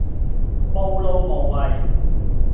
暴露無遺